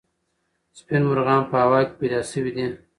سپین مرغان په هوا کې پیدا سوي دي.